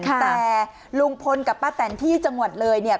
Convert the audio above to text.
แต่ลุงพลกับป้าแตนที่จังหวัดเลยเนี่ย